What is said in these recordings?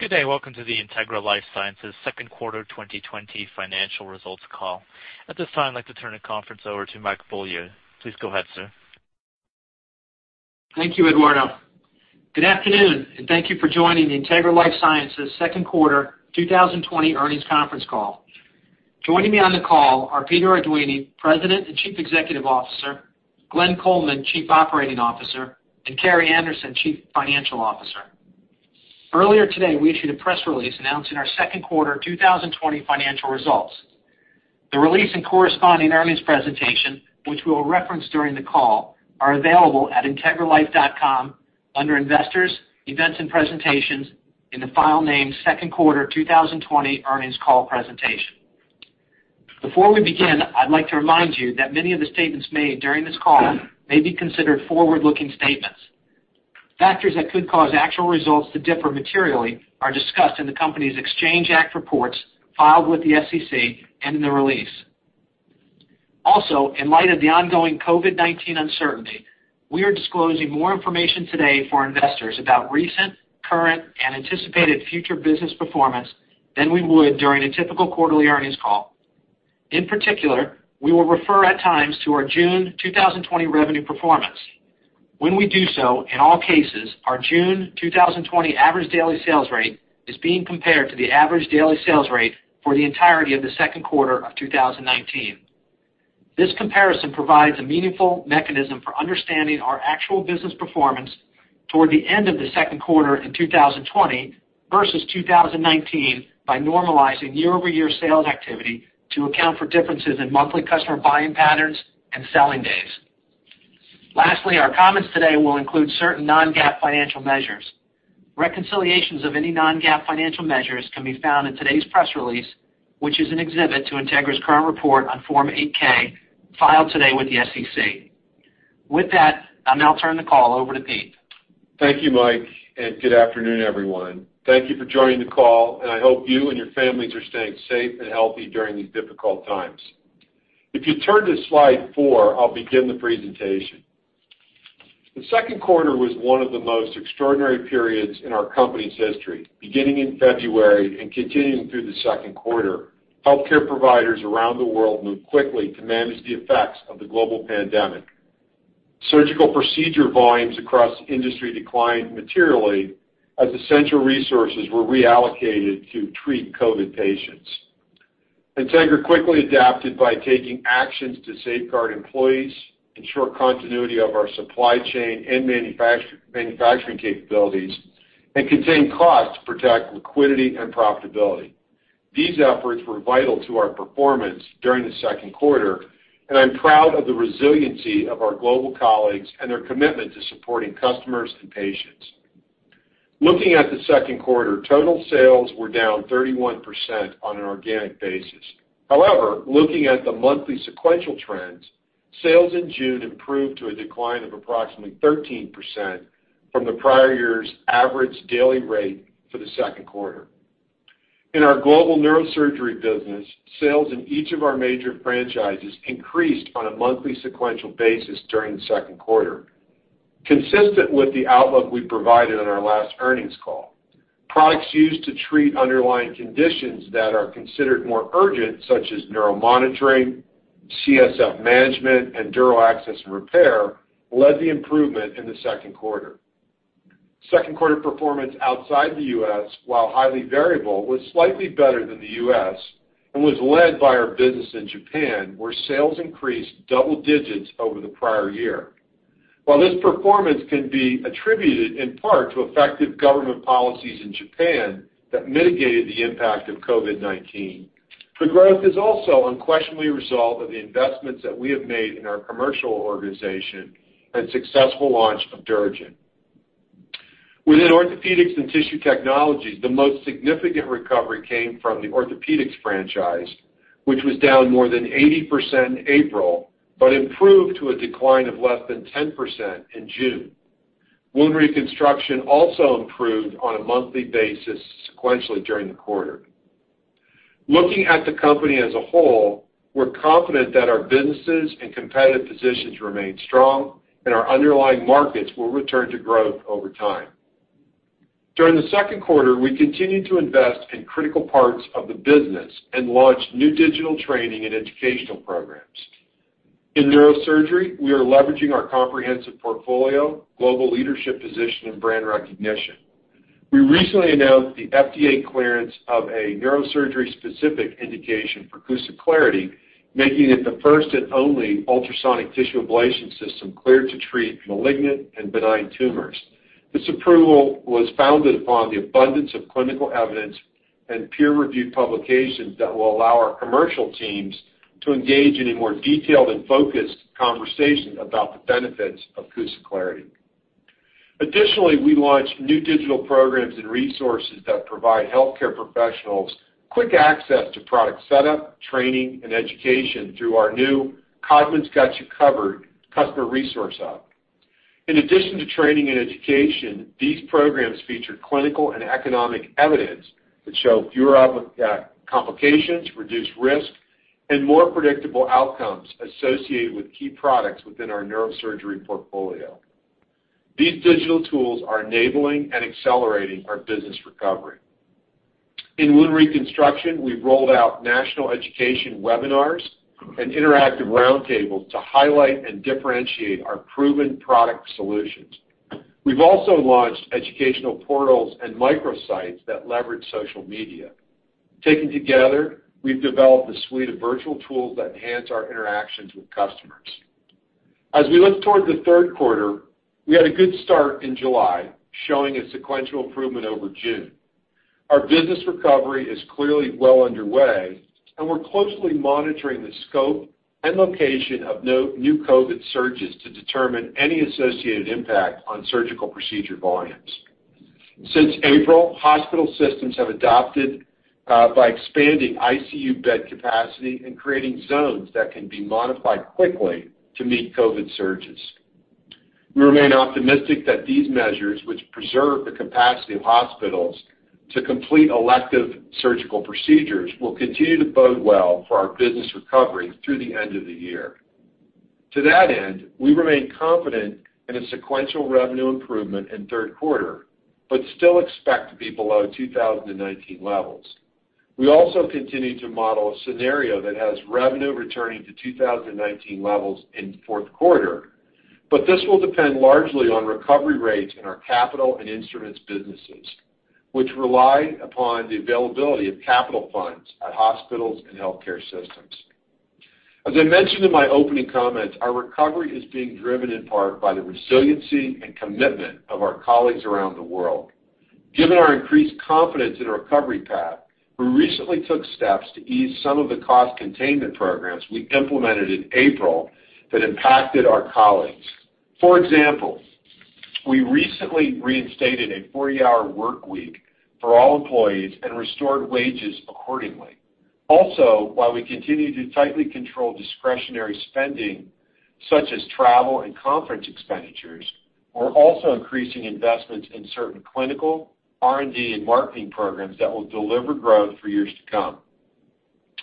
Good day. Welcome to the Integra LifeSciences second quarter 2020 financial results call. At this time, I'd like to turn the conference over to Mike Beaulieu. Please go ahead, sir. Thank you, Eduardo. Good afternoon, and thank you for joining the Integra LifeSciences second quarter 2020 earnings conference call. Joining me on the call are Peter Arduini, President and Chief Executive Officer, Glenn Coleman, Chief Operating Officer, and Carrie Anderson, Chief Financial Officer. Earlier today, we issued a press release announcing our second quarter 2020 financial results. The release and corresponding earnings presentation, which we will reference during the call, are available at integralife.com under Investors, Events and Presentations, in the file named second quarter 2020 earnings call presentation. Before we begin, I'd like to remind you that many of the statements made during this call may be considered forward-looking statements. Factors that could cause actual results to differ materially are discussed in the company's Exchange Act reports filed with the SEC and in the release. In light of the ongoing COVID-19 uncertainty, we are disclosing more information today for investors about recent, current, and anticipated future business performance than we would during a typical quarterly earnings call. In particular, we will refer at times to our June 2020 revenue performance. When we do so, in all cases, our June 2020 average daily sales rate is being compared to the average daily sales rate for the entirety of the second quarter of 2019. This comparison provides a meaningful mechanism for understanding our actual business performance toward the end of the second quarter in 2020 versus 2019 by normalizing year-over-year sales activity to account for differences in monthly customer buying patterns and selling days. Lastly, our comments today will include certain non-GAAP financial measures. Reconciliations of any non-GAAP financial measures can be found in today's press release, which is an exhibit to Integra's current report on Form 8-K filed today with the SEC. With that, I'll now turn the call over to Pete. Thank you, Mike. Good afternoon, everyone. Thank you for joining the call. I hope you and your families are staying safe and healthy during these difficult times. If you turn to slide four, I'll begin the presentation. The second quarter was one of the most extraordinary periods in our company's history. Beginning in February and continuing through the second quarter, healthcare providers around the world moved quickly to manage the effects of the global pandemic. Surgical procedure volumes across the industry declined materially as essential resources were reallocated to treat COVID patients. Integra quickly adapted by taking actions to safeguard employees, ensure continuity of our supply chain and manufacturing capabilities, and contain costs to protect liquidity and profitability. These efforts were vital to our performance during the second quarter, and I'm proud of the resiliency of our global colleagues and their commitment to supporting customers and patients. Looking at the second quarter, total sales were down 31% on an organic basis. However, looking at the monthly sequential trends, sales in June improved to a decline of approximately 13% from the prior year's average daily rate for the second quarter. In our global neurosurgery business, sales in each of our major franchises increased on a monthly sequential basis during the second quarter. Consistent with the outlook we provided on our last earnings call, products used to treat underlying conditions that are considered more urgent, such as neuromonitoring, CSF management, and dural access and repair, led the improvement in the second quarter. Second quarter performance outside the U.S., while highly variable, was slightly better than the U.S. and was led by our business in Japan, where sales increased double digits over the prior year. While this performance can be attributed in part to effective government policies in Japan that mitigated the impact of COVID-19, the growth is also unquestionably a result of the investments that we have made in our commercial organization and successful launch of DuraGen. Within Orthopedics and Tissue Technologies, the most significant recovery came from the orthopedics franchise, which was down more than 80% in April, but improved to a decline of less than 10% in June. Wound reconstruction also improved on a monthly basis sequentially during the quarter. Looking at the company as a whole, we're confident that our businesses and competitive positions remain strong and our underlying markets will return to growth over time. During the second quarter, we continued to invest in critical parts of the business and launched new digital training and educational programs. In neurosurgery, we are leveraging our comprehensive portfolio, global leadership position, and brand recognition. We recently announced the FDA clearance of a neurosurgery-specific indication for CUSA Clarity, making it the first and only ultrasonic tissue ablation system cleared to treat malignant and benign tumors. This approval was founded upon the abundance of clinical evidence and peer-reviewed publications that will allow our commercial teams to engage in a more detailed and focused conversation about the benefits of CUSA Clarity. Additionally, we launched new digital programs and resources that provide healthcare professionals quick access to product setup, training, and education through our new Codman's Got You Covered customer resource hub. In addition to training and education, these programs feature clinical and economic evidence that show fewer complications, reduced risk and more predictable outcomes associated with key products within our neurosurgery portfolio. These digital tools are enabling and accelerating our business recovery. In wound reconstruction, we've rolled out national education webinars and interactive roundtables to highlight and differentiate our proven product solutions. We've also launched educational portals and micro sites that leverage social media. Taken together, we've developed a suite of virtual tools that enhance our interactions with customers. As we look toward the third quarter, we had a good start in July, showing a sequential improvement over June. Our business recovery is clearly well underway, and we're closely monitoring the scope and location of new COVID surges to determine any associated impact on surgical procedure volumes. Since April, hospital systems have adapted by expanding ICU bed capacity and creating zones that can be modified quickly to meet COVID surges. We remain optimistic that these measures, which preserve the capacity of hospitals to complete elective surgical procedures, will continue to bode well for our business recovery through the end of the year. To that end, we remain confident in a sequential revenue improvement in third quarter, but still expect to be below 2019 levels. We also continue to model a scenario that has revenue returning to 2019 levels in fourth quarter, but this will depend largely on recovery rates in our capital and instruments businesses, which rely upon the availability of capital funds at hospitals and healthcare systems. As I mentioned in my opening comments, our recovery is being driven in part by the resiliency and commitment of our colleagues around the world. Given our increased confidence in a recovery path, we recently took steps to ease some of the cost containment programs we implemented in April that impacted our colleagues. For example, we recently reinstated a 40-hour workweek for all employees and restored wages accordingly. Also, while we continue to tightly control discretionary spending, such as travel and conference expenditures, we're also increasing investments in certain clinical R&D and marketing programs that will deliver growth for years to come.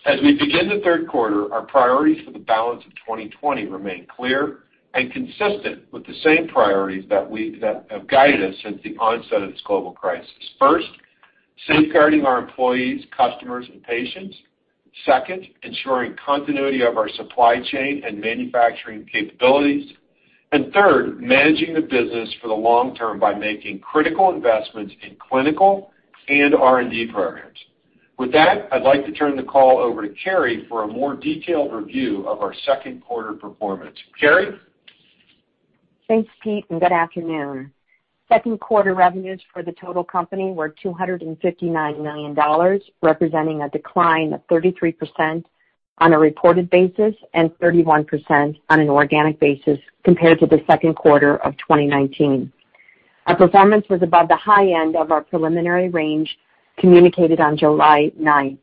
As we begin the third quarter, our priorities for the balance of 2020 remain clear and consistent with the same priorities that have guided us since the onset of this global crisis. First, safeguarding our employees, customers, and patients. Second, ensuring continuity of our supply chain and manufacturing capabilities. Third, managing the business for the long term by making critical investments in clinical and R&D programs. With that, I'd like to turn the call over to Carrie for a more detailed review of our second quarter performance. Carrie? Thanks, Pete. Good afternoon. Second quarter revenues for the total company were $259 million, representing a decline of 33% on a reported basis and 31% on an organic basis compared to the second quarter of 2019. Our performance was above the high end of our preliminary range communicated on July 9th.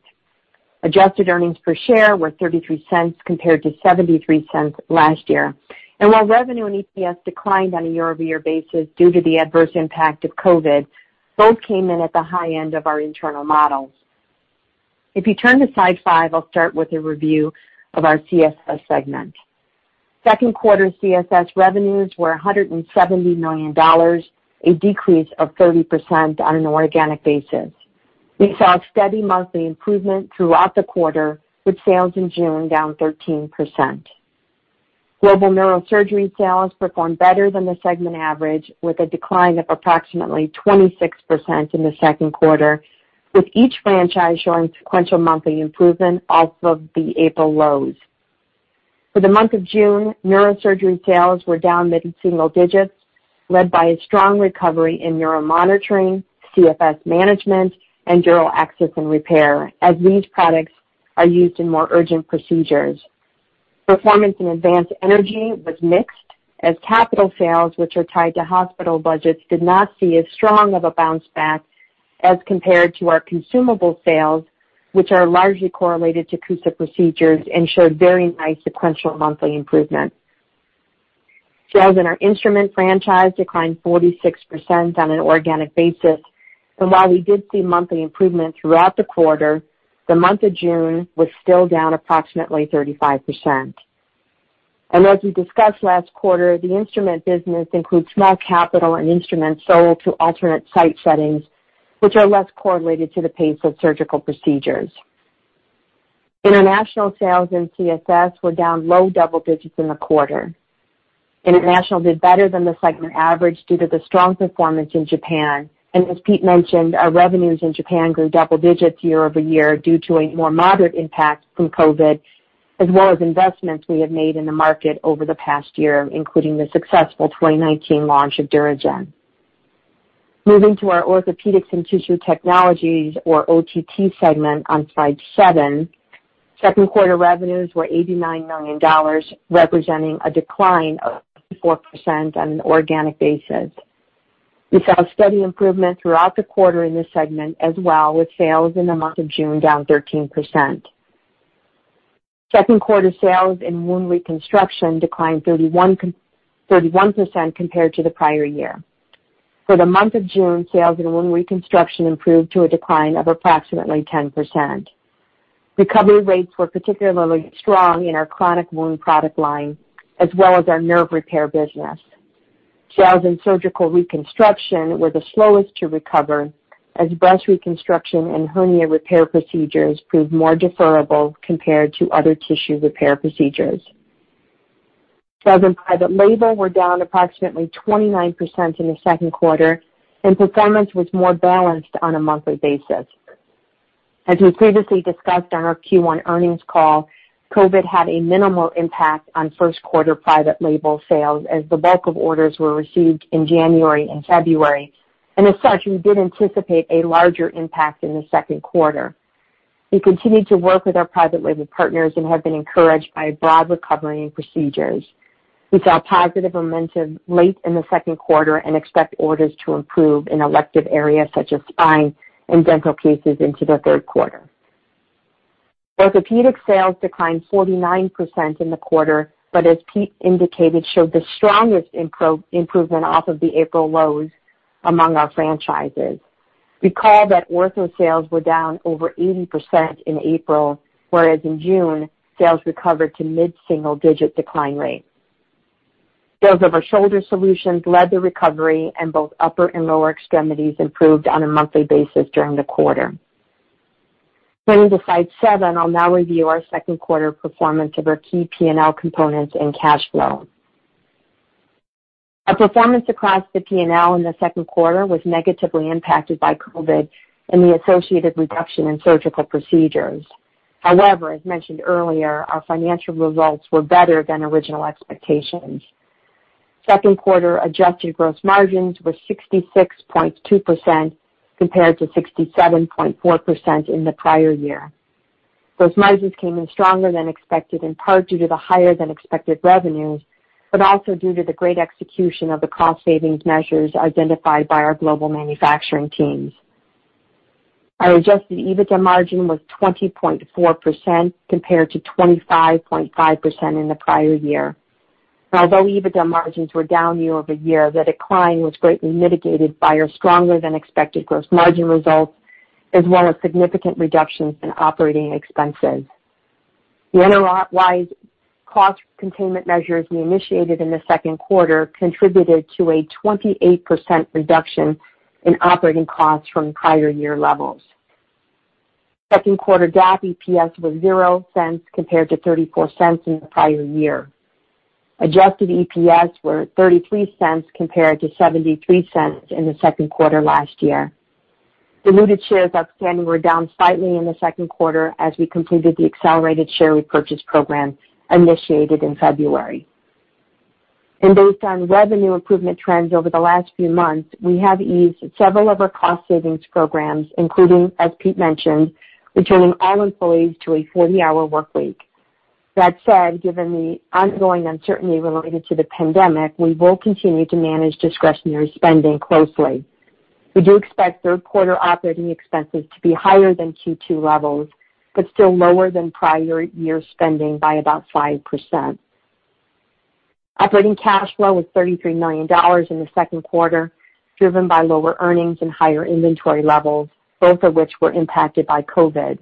Adjusted earnings per share were $0.33 compared to $0.73 last year. While revenue and EPS declined on a year-over-year basis due to the adverse impact of COVID-19, both came in at the high end of our internal models. If you turn to slide five, I'll start with a review of our CSS segment. Second quarter CSS revenues were $170 million, a decrease of 30% on an organic basis. We saw steady monthly improvement throughout the quarter, with sales in June down 13%. Global neurosurgery sales performed better than the segment average, with a decline of approximately 26% in the second quarter, with each franchise showing sequential monthly improvement off of the April lows. For the month of June, neurosurgery sales were down mid-single digits, led by a strong recovery in neuromonitoring, CSF management, and dural access and repair, as these products are used in more urgent procedures. Performance in advanced energy was mixed as capital sales, which are tied to hospital budgets, did not see as strong of a bounce back as compared to our consumable sales, which are largely correlated to CUSA procedures and showed very nice sequential monthly improvement. Sales in our instrument franchise declined 46% on an organic basis, and while we did see monthly improvement throughout the quarter, the month of June was still down approximately 35%. As we discussed last quarter, the instrument business includes more capital and instruments sold to alternate site settings, which are less correlated to the pace of surgical procedures. International sales in CSS were down low double digits in the quarter. International did better than the segment average due to the strong performance in Japan. As Pete mentioned, our revenues in Japan grew double digits year-over-year due to a more moderate impact from COVID, as well as investments we have made in the market over the past year, including the successful 2019 launch of DuraGen. Moving to our Orthopedics and Tissue Technologies or OTT segment on slide seven. Second quarter revenues were $89 million, representing a decline of 54% on an organic basis. We saw steady improvement throughout the quarter in this segment as well, with sales in the month of June down 13%. Second quarter sales in wound reconstruction declined 31% compared to the prior year. For the month of June, sales in wound reconstruction improved to a decline of approximately 10%. Recovery rates were particularly strong in our chronic wound product line as well as our nerve repair business. Sales in surgical reconstruction were the slowest to recover, as breast reconstruction and hernia repair procedures proved more deferrable compared to other tissue repair procedures. Sales in private label were down approximately 29% in the second quarter. Performance was more balanced on a monthly basis. As we previously discussed on our Q1 earnings call, COVID had a minimal impact on first quarter private label sales as the bulk of orders were received in January and February. As such, we did anticipate a larger impact in the second quarter. We continued to work with our private label partners and have been encouraged by a broad recovery in procedures. We saw positive momentum late in the second quarter and expect orders to improve in elective areas such as spine and dental cases into the third quarter. Orthopedic sales declined 49% in the quarter, but as Pete indicated, showed the strongest improvement off of the April lows among our franchises. Recall that ortho sales were down over 80% in April, whereas in June, sales recovered to mid-single-digit decline rates. Sales of our shoulder solutions led the recovery, and both upper and lower extremities improved on a monthly basis during the quarter. Turning to slide seven, I'll now review our second quarter performance of our key P&L components and cash flow. Our performance across the P&L in the second quarter was negatively impacted by COVID and the associated reduction in surgical procedures. However, as mentioned earlier, our financial results were better than original expectations. Second quarter adjusted gross margins were 66.2% compared to 67.4% in the prior year. Gross margins came in stronger than expected, in part due to the higher-than-expected revenues, also due to the great execution of the cost savings measures identified by our global manufacturing teams. Our adjusted EBITDA margin was 20.4% compared to 25.5% in the prior year. Although EBITDA margins were down year-over-year, the decline was greatly mitigated by our stronger-than-expected gross margin results as well as significant reductions in operating expenses. The enterprise-wide cost containment measures we initiated in the second quarter contributed to a 28% reduction in operating costs from prior year levels. Second quarter GAAP EPS was $0.00 compared to $0.34 in the prior year. Adjusted EPS were $0.33 compared to $0.73 in the second quarter last year. Diluted shares outstanding were down slightly in the second quarter as we completed the accelerated share repurchase program initiated in February. Based on revenue improvement trends over the last few months, we have eased several of our cost savings programs, including, as Pete mentioned, returning all employees to a 40-hour workweek. That said, given the ongoing uncertainty related to the pandemic, we will continue to manage discretionary spending closely. We do expect third quarter operating expenses to be higher than Q2 levels, but still lower than prior year spending by about 5%. Operating cash flow was $33 million in the second quarter, driven by lower earnings and higher inventory levels, both of which were impacted by COVID.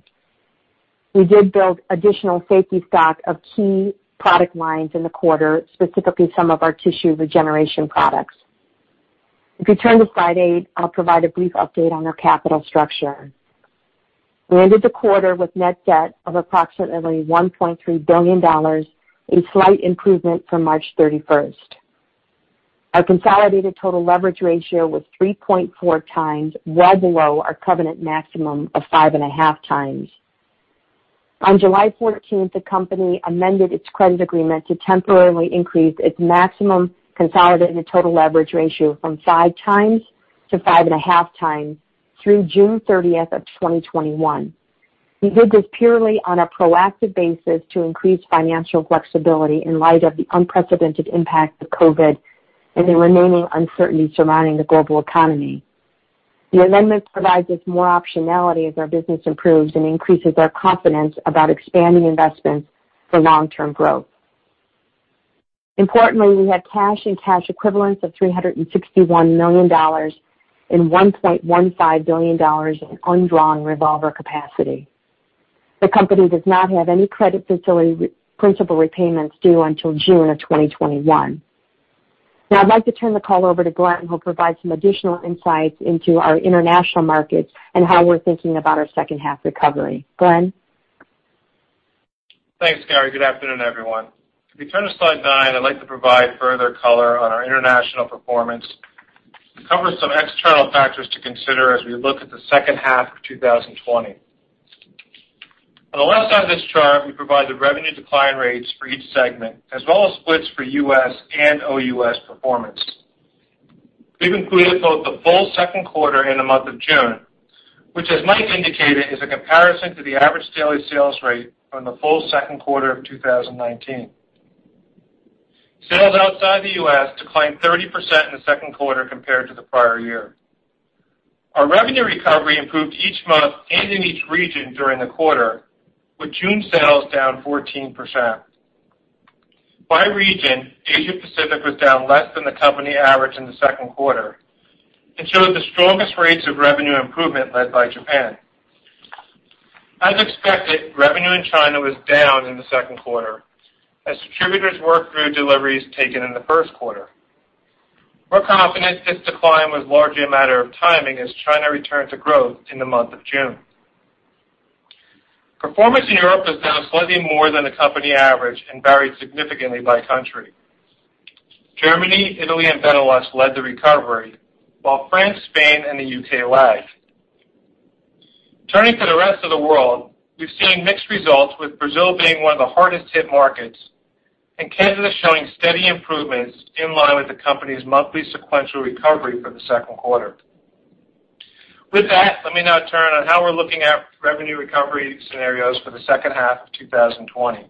We did build additional safety stock of key product lines in the quarter, specifically some of our tissue regeneration products. If you turn to slide eight, I'll provide a brief update on our capital structure. We ended the quarter with net debt of approximately $1.3 billion, a slight improvement from March 31st, 2020. Our consolidated total leverage ratio was 3.4x, well below our covenant maximum of 5.5x. On July 14th, 2020, the company amended its credit agreement to temporarily increase its maximum consolidated total leverage ratio from 5x to 5.5x through June 30th of 2021. We did this purely on a proactive basis to increase financial flexibility in light of the unprecedented impact of COVID-19 and the remaining uncertainty surrounding the global economy. The amendment provides us more optionality as our business improves and increases our confidence about expanding investments for long-term growth. Importantly, we have cash and cash equivalents of $361 million and $1.15 billion in undrawn revolver capacity. The company does not have any credit facility principal repayments due until June of 2021. Now I'd like to turn the call over to Glenn, who'll provide some additional insights into our international markets and how we're thinking about our second half recovery. Glenn? Thanks, Carrie. Good afternoon, everyone. If you turn to slide nine, I'd like to provide further color on our international performance and cover some external factors to consider as we look at the second half of 2020. On the left side of this chart, we provide the revenue decline rates for each segment as well as splits for U.S. and OUS performance. We've included both the full second quarter and the month of June, which as Mike indicated, is a comparison to the average daily sales rate from the full second quarter of 2019. Sales outside the U.S. declined 30% in the second quarter compared to the prior year. Our revenue recovery improved each month and in each region during the quarter, with June sales down 14%. By region, Asia Pacific was down less than the company average in the second quarter, and showed the strongest rates of revenue improvement led by Japan. As expected, revenue in China was down in the second quarter as distributors worked through deliveries taken in the first quarter. We're confident this decline was largely a matter of timing as China returned to growth in the month of June. Performance in Europe was down slightly more than the company average and varied significantly by country. Germany, Italy, and Benelux led the recovery, while France, Spain, and the U.K. lagged. Turning to the rest of the world, we've seen mixed results, with Brazil being one of the hardest hit markets and Canada showing steady improvements in line with the company's monthly sequential recovery for the second quarter. With that, let me now turn on how we're looking at revenue recovery scenarios for the second half of 2020.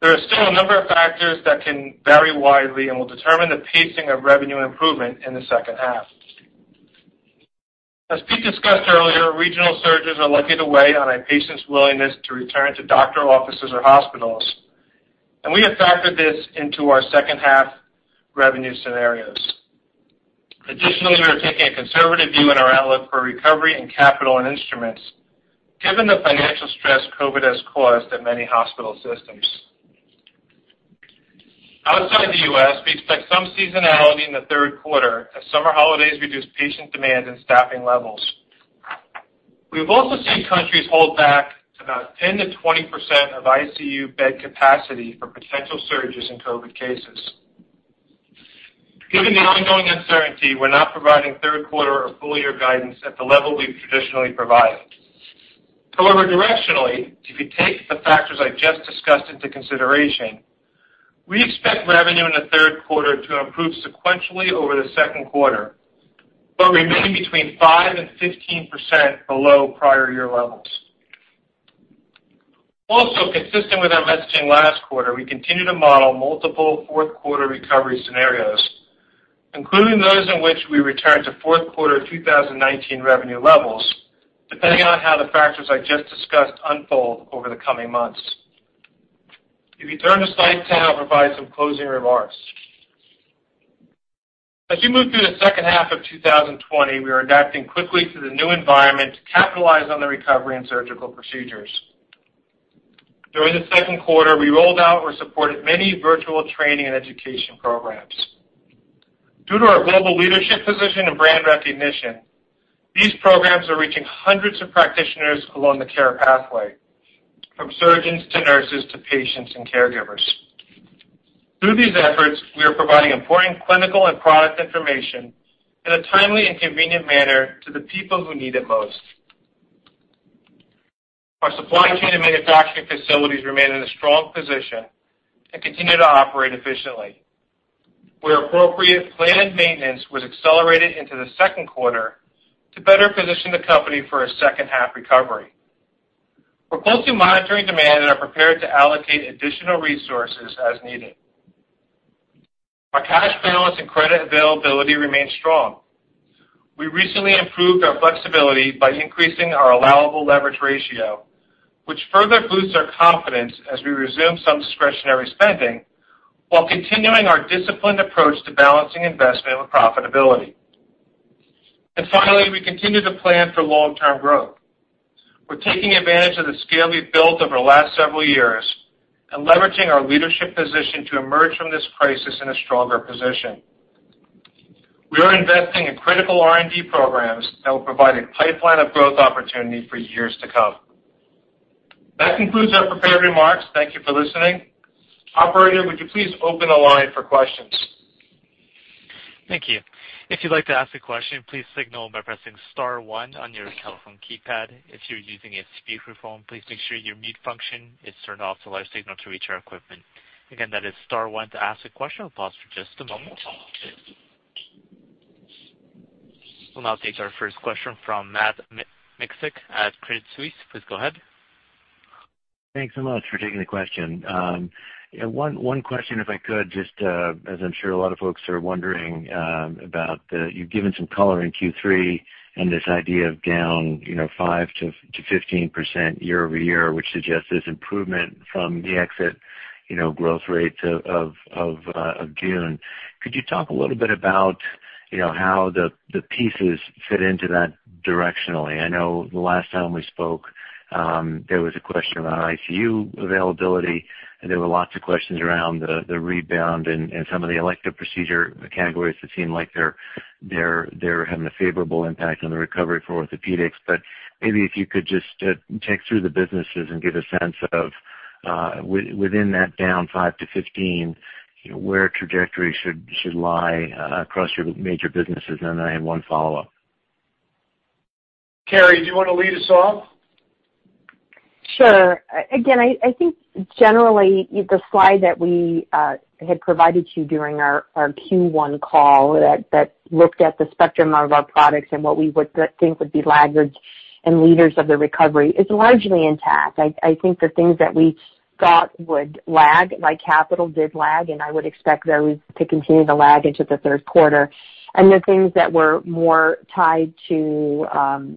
There are still a number of factors that can vary widely and will determine the pacing of revenue improvement in the second half. As Pete discussed earlier, regional surges are likely to weigh on a patient's willingness to return to doctor offices or hospitals, and we have factored this into our second half revenue scenarios. Additionally, we are taking a conservative view in our outlook for recovery and capital and instruments, given the financial stress COVID has caused at many hospital systems. Outside the U.S., we expect some seasonality in the third quarter as summer holidays reduce patient demand and staffing levels. We've also seen countries hold back to about 10%-20% of ICU bed capacity for potential surges in COVID cases. Given the ongoing uncertainty, we're not providing third quarter or full year guidance at the level we've traditionally provided. Directionally, if you take the factors I just discussed into consideration, we expect revenue in the third quarter to improve sequentially over the second quarter, but remaining between 5% and 15% below prior year levels. Consistent with our messaging last quarter, we continue to model multiple fourth quarter recovery scenarios, including those in which we return to fourth quarter 2019 revenue levels, depending on how the factors I just discussed unfold over the coming months. If you turn to slide 10, I'll provide some closing remarks. As we move through the second half of 2020, we are adapting quickly to the new environment to capitalize on the recovery in surgical procedures. During the second quarter, we rolled out or supported many virtual training and education programs. Due to our global leadership position and brand recognition, these programs are reaching hundreds of practitioners along the care pathway, from surgeons to nurses, to patients and caregivers. Through these efforts, we are providing important clinical and product information in a timely and convenient manner to the people who need it most. Our supply chain and manufacturing facilities remain in a strong position and continue to operate efficiently. Where appropriate, planned maintenance was accelerated into the second quarter to better position the company for a second half recovery. We're closely monitoring demand and are prepared to allocate additional resources as needed. Our cash balance and credit availability remain strong. We recently improved our flexibility by increasing our allowable leverage ratio, which further boosts our confidence as we resume some discretionary spending while continuing our disciplined approach to balancing investment with profitability. Finally, we continue to plan for long-term growth. We're taking advantage of the scale we've built over the last several years and leveraging our leadership position to emerge from this crisis in a stronger position. We are investing in critical R&D programs that will provide a pipeline of growth opportunity for years to come. That concludes our prepared remarks. Thank you for listening. Operator, would you please open the line for questions? Thank you. If you'd like to ask a question, please signal by pressing star one on your telephone keypad. If you're using a speakerphone, please make sure your mute function is turned off to allow your signal to reach our equipment. Again, that is star one to ask a question. We'll pause for just a moment. We'll now take our first question from Matt Miksic at Credit Suisse. Please go ahead. Thanks so much for taking the question. One question if I could. You've given some color in Q3 and this idea of down 5%-15% year-over-year, which suggests there's improvement from the exit growth rates of June. Could you talk a little bit about how the pieces fit into that directionally? I know the last time we spoke, there was a question around ICU availability, and there were lots of questions around the Rebound and some of the elective procedure categories that seem like they're having a favorable impact on the recovery for orthopedics. Maybe if you could just check through the businesses and give a sense of, within that down 5%-15%, where trajectory should lie across your major businesses. I have one follow-up. Carrie, do you want to lead us off? Sure. Again, I think generally, the slide that we had provided to you during our Q1 call that looked at the spectrum of our products and what we would think would be laggards and leaders of the recovery is largely intact. I think the things that we thought would lag, like capital, did lag, and I would expect those to continue to lag into the third quarter. The things that were more tied to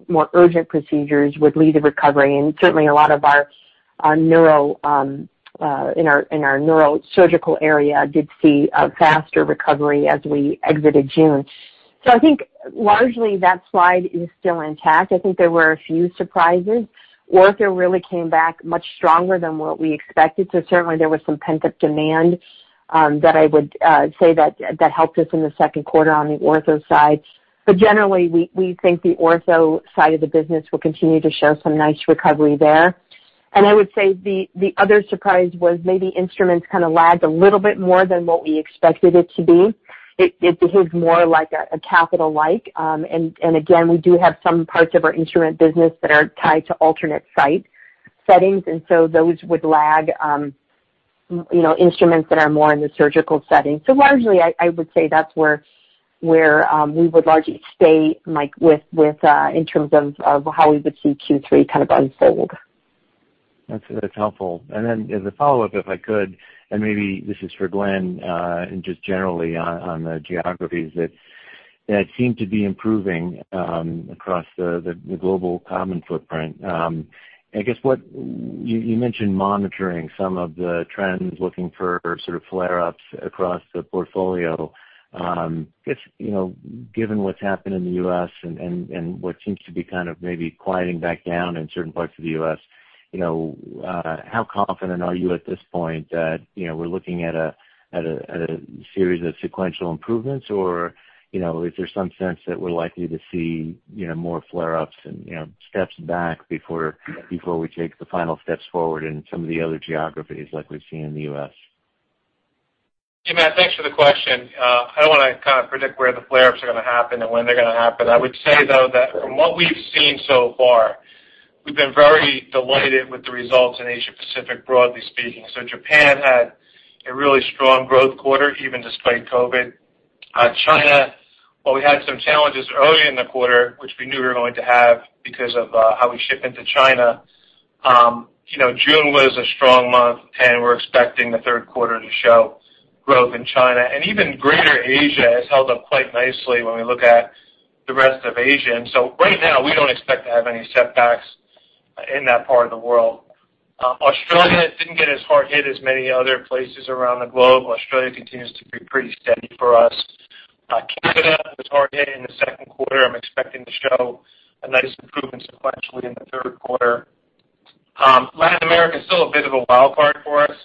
more urgent procedures would lead the recovery. Certainly, a lot of our neuro, in our neurosurgical area did see a faster recovery as we exited June. I think largely that slide is still intact. I think there were a few surprises. Ortho really came back much stronger than what we expected. Certainly there was some pent-up demand that I would say that helped us in the second quarter on the ortho side. Generally, we think the ortho side of the business will continue to show some nice recovery there. I would say the other surprise was maybe instruments kind of lagged a little bit more than what we expected it to be. It behaved more like a capital like. Again, we do have some parts of our instrument business that are tied to alternate site settings, those would lag instruments that are more in the surgical setting. Largely, I would say that's where we would largely stay, Mike, with in terms of how we would see Q3 kind of unfold. That's helpful. As a follow-up, if I could, and maybe this is for Glenn, and just generally on the geographies that seem to be improving across the global Codman footprint. I guess what you mentioned monitoring some of the trends, looking for sort of flare-ups across the portfolio. I guess, given what's happened in the U.S. and what seems to be kind of maybe quieting back down in certain parts of the U.S., how confident are you at this point that we're looking at a series of sequential improvements or is there some sense that we're likely to see more flare-ups and steps back before we take the final steps forward in some of the other geographies like we've seen in the U.S.? Hey, Matt, thanks for the question. I don't want to kind of predict where the flare-ups are going to happen and when they're going to happen. I would say, though, that from what we've seen so far, we've been very delighted with the results in Asia-Pacific, broadly speaking. Japan had a really strong growth quarter, even despite COVID-19. China, while we had some challenges early in the quarter, which we knew we were going to have because of how we ship into China. June was a strong month, we're expecting the third quarter to show growth in China. Even greater Asia has held up quite nicely when we look at the rest of Asia. Right now, we don't expect to have any setbacks in that part of the world. Australia didn't get as hard hit as many other places around the globe. Australia continues to be pretty steady for us. Canada was hard hit in the second quarter. I'm expecting to show a nice improvement sequentially in the third quarter. Latin America is still a bit of a wild card for us.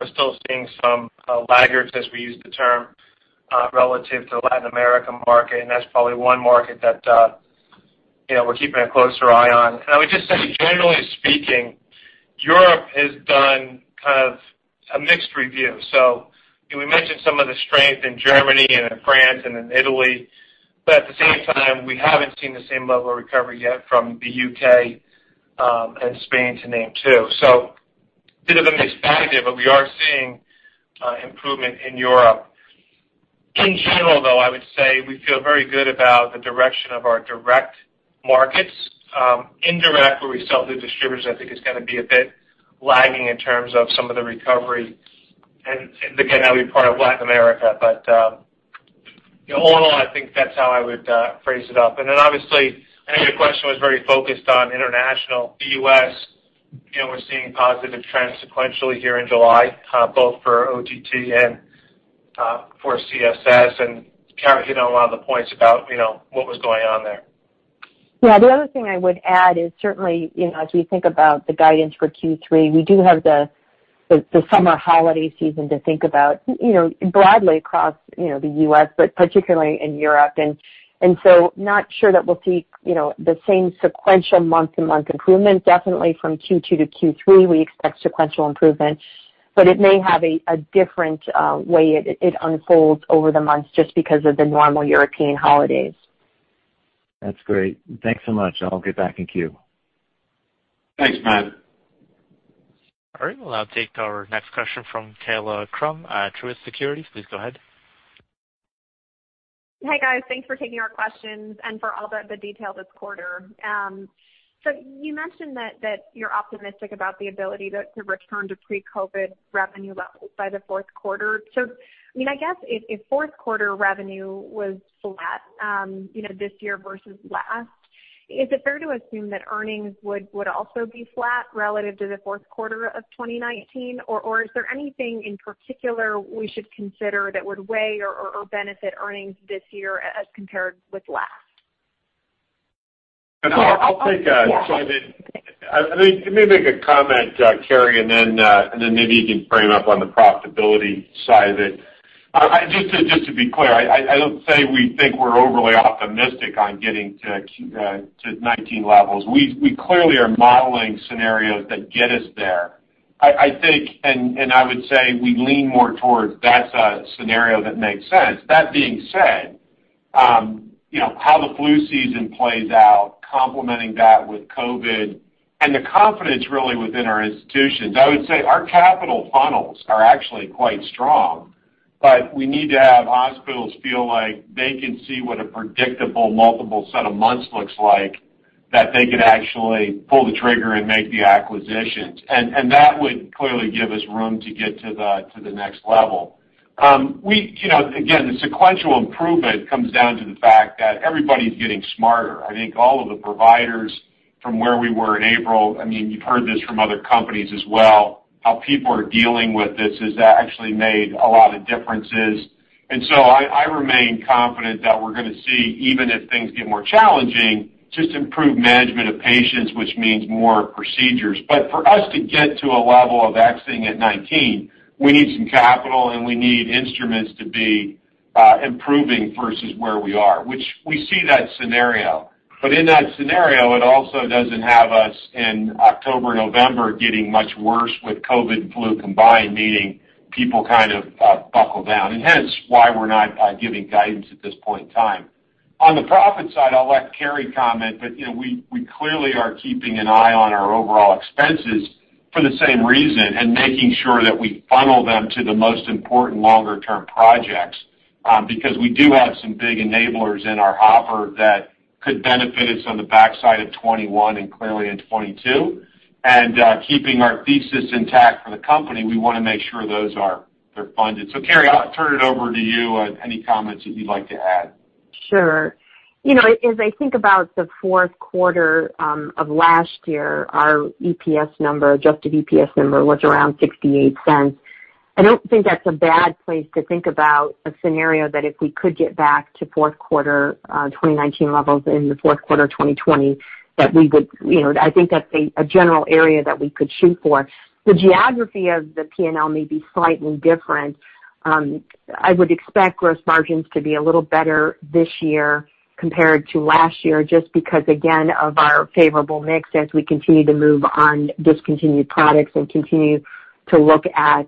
We're still seeing some laggards, as we use the term, relative to the Latin American market, and that's probably one market that we're keeping a closer eye on. I would just say, generally speaking, Europe has done kind of a mixed review. We mentioned some of the strength in Germany and in France and in Italy, but at the same time, we haven't seen the same level of recovery yet from the U.K., and Spain to name two. Bit of a mixed bag there, but we are seeing improvement in Europe. In general, though, I would say we feel very good about the direction of our direct markets. Indirect, where we sell through distributors, I think is going to be a bit lagging in terms of some of the recovery. Again, that would be part of Latin America. All in all, I think that's how I would phrase it up. Obviously, I know your question was very focused on international. The U.S., we're seeing positive trends sequentially here in July, both for OTT and for CSS. Carrie hit on a lot of the points about what was going on there. Yeah. The other thing I would add is certainly as we think about the guidance for Q3, we do have the summer holiday season to think about, broadly across the U.S., but particularly in Europe. Not sure that we'll see the same sequential month-to-month improvement. Definitely from Q2 to Q3, we expect sequential improvement, but it may have a different way it unfolds over the months just because of the normal European holidays. That's great. Thanks so much, and I'll get back in queue. Thanks, Matt. All right, we'll now take our next question from Kaila Krum, Truist Securities. Please go ahead. Hey, guys. Thanks for taking our questions and for all the detail this quarter. You mentioned that you're optimistic about the ability to return to pre-COVID revenue levels by the fourth quarter. I guess if fourth quarter revenue was flat this year versus last, is it fair to assume that earnings would also be flat relative to the fourth quarter of 2019? Or is there anything in particular we should consider that would weigh or benefit earnings this year as compared with last? I'll take a side of it. Let me make a comment, Carrie, and then maybe you can frame up on the profitability side of it. Just to be clear, I don't say we think we're overly optimistic on getting to 2019 levels. We clearly are modeling scenarios that get us there. I think, and I would say we lean more towards that's a scenario that makes sense. That being said, how the flu season plays out, complementing that with COVID and the confidence really within our institutions. I would say our capital funnels are actually quite strong, but we need to have hospitals feel like they can see what a predictable multiple set of months looks like, that they could actually pull the trigger and make the acquisitions. That would clearly give us room to get to the next level. Again, the sequential improvement comes down to the fact that everybody's getting smarter. I think all of the providers from where we were in April, you've heard this from other companies as well, how people are dealing with this has actually made a lot of differences. I remain confident that we're going to see, even if things get more challenging, just improved management of patients, which means more procedures. For us to get to a level of exiting at 2019, we need some capital, and we need instruments to be improving versus where we are, which we see that scenario. In that scenario, it also doesn't have us in October, November getting much worse with COVID and flu combined, meaning people kind of buckle down, and hence why we're not giving guidance at this point in time. On the profit side, I'll let Carrie comment, but we clearly are keeping an eye on our overall expenses for the same reason and making sure that we funnel them to the most important longer-term projects, because we do have some big enablers in our hopper that could benefit us on the backside of 2021 and clearly in 2022. Keeping our thesis intact for the company, we want to make sure those are funded. Carrie, I'll turn it over to you. Any comments that you'd like to add? Sure. As I think about the fourth quarter of last year, our adjusted EPS number was around $0.68. I don't think that's a bad place to think about a scenario that if we could get back to fourth quarter 2019 levels in the fourth quarter 2020, I think that's a general area that we could shoot for. The geography of the P&L may be slightly different. I would expect gross margins to be a little better this year compared to last year, just because, again, of our favorable mix as we continue to move on discontinued products and continue to look at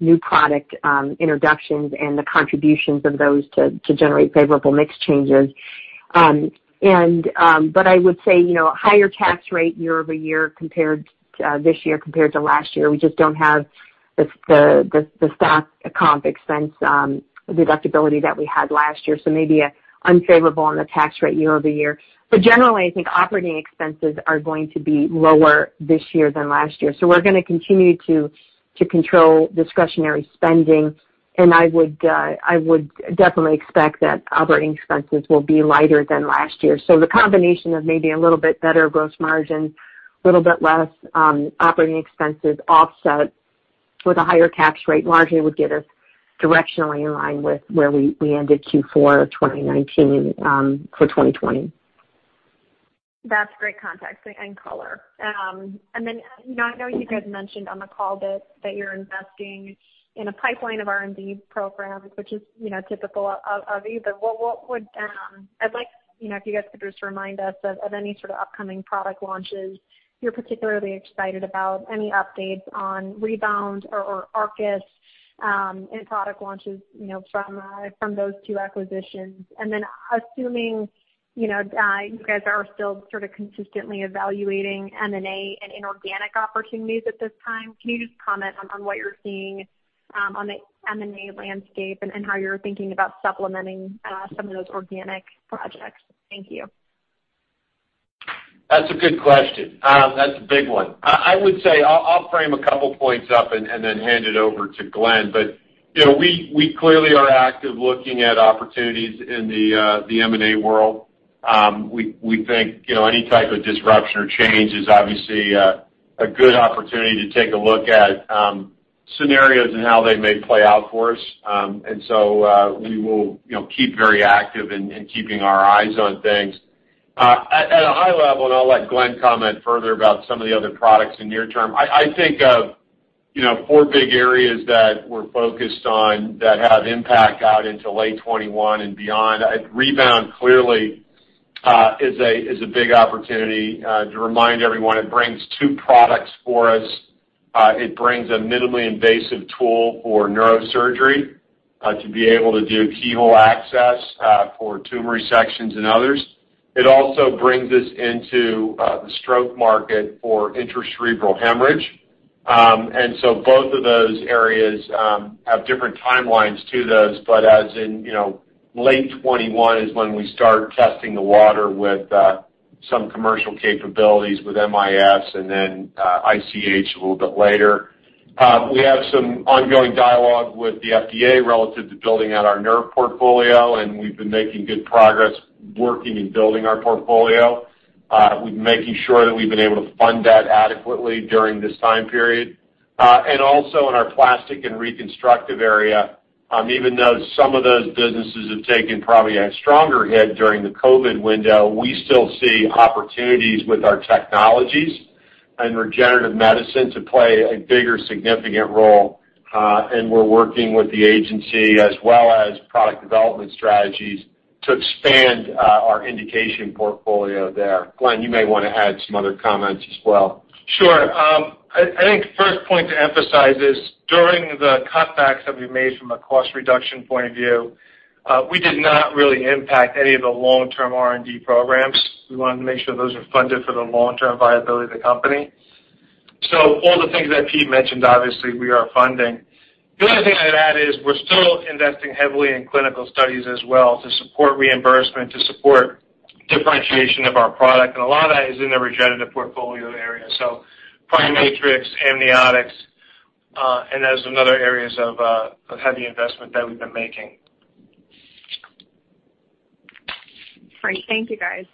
new product introductions and the contributions of those to generate favorable mix changes. I would say, a higher tax rate this year compared to last year. We just don't have the stock comp expense deductibility that we had last year. Maybe unfavorable on the tax rate year-over-year. Generally, I think operating expenses are going to be lower this year than last year. We're going to continue to control discretionary spending. I would definitely expect that operating expenses will be lighter than last year. The combination of maybe a little bit better gross margin, little bit less operating expenses offset with a higher tax rate largely would get us directionally in line with where we ended Q4 of 2019 for 2020. That's great context and color. Then I know you guys mentioned on the call that you're investing in a pipeline of R&D programs, which is typical of you. If you guys could just remind us of any sort of upcoming product launches you're particularly excited about, any updates on Rebound or Arkis and product launches from those two acquisitions. Then assuming you guys are still sort of consistently evaluating M&A and inorganic opportunities at this time, can you just comment on what you're seeing on the M&A landscape and how you're thinking about supplementing some of those organic projects? Thank you. That's a good question. That's a big one. I would say I'll frame a couple points up and then hand it over to Glenn. We clearly are active looking at opportunities in the M&A world. We think any type of disruption or change is obviously a good opportunity to take a look at scenarios and how they may play out for us. We will keep very active in keeping our eyes on things. At a high level, I'll let Glenn comment further about some of the other products in near term, I think of four big areas that we're focused on that have impact out into late 2021 and beyond. Rebound clearly is a big opportunity. To remind everyone, it brings two products for us. It brings a minimally invasive tool for neurosurgery to be able to do keyhole access for tumor resections and others. It also brings us into the stroke market for intracerebral hemorrhage. Both of those areas have different timelines to those. As in late 2021 is when we start testing the water with some commercial capabilities with MIS and then ICH a little bit later. We have some ongoing dialogue with the FDA relative to building out our nerve portfolio, and we've been making good progress working and building our portfolio. We've been making sure that we've been able to fund that adequately during this time period. Also in our plastic and reconstructive area, even though some of those businesses have taken probably a stronger hit during the COVID-19 window, we still see opportunities with our technologies and regenerative medicine to play a bigger, significant role. We're working with the agency as well as product development strategies to expand our indication portfolio there. Glenn, you may want to add some other comments as well. Sure. I think first point to emphasize is during the cutbacks that we made from a cost reduction point of view, we did not really impact any of the long-term R&D programs. We wanted to make sure those were funded for the long-term viability of the company. All the things that Pete mentioned, obviously, we are funding. The other thing I'd add is we're still investing heavily in clinical studies as well to support reimbursement, to support differentiation of our product, and a lot of that is in the regenerative portfolio area. MicroMatrix, AmnioExcel, those are another areas of heavy investment that we've been making. Great. Thank you, guys.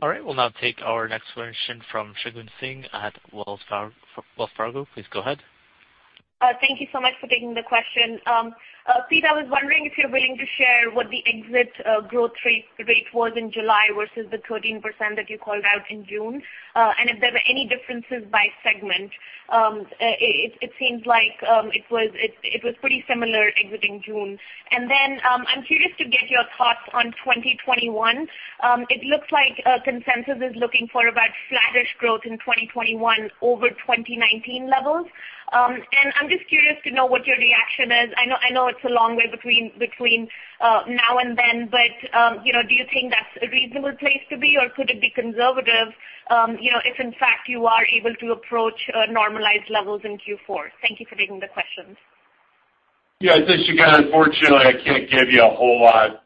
All right, we'll now take our next question from Shagun Singh at Wells Fargo. Please go ahead. Thank you so much for taking the question. Peter, I was wondering if you're willing to share what the exit growth rate was in July versus the 13% that you called out in June, and if there were any differences by segment. It seems like it was pretty similar exiting June. I'm curious to get your thoughts on 2021. It looks like consensus is looking for about flattish growth in 2021 over 2019 levels. I'm just curious to know what your reaction is. I know it's a long way between now and then, but do you think that's a reasonable place to be, or could it be conservative if in fact you are able to approach normalized levels in Q4? Thank you for taking the questions. Yeah. Thanks, Shagun. Unfortunately, I can't give you a whole lot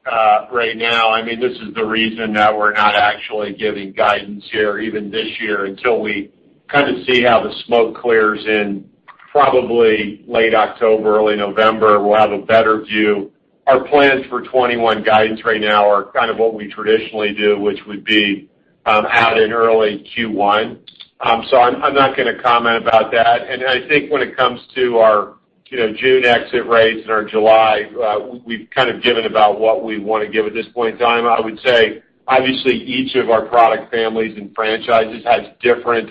right now. This is the reason that we're not actually giving guidance here even this year until we kind of see how the smoke clears in probably late October, early November. We'll have a better view. Our plans for 2021 guidance right now are kind of what we traditionally do, which would be out in early Q1. I'm not going to comment about that. I think when it comes to our June exit rates and our July, we've kind of given about what we want to give at this point in time. I would say, obviously, each of our product families and franchises has different